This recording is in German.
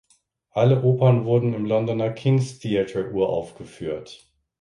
Alle Opern wurden im Londoner "King's Theatre" uraufgeführt.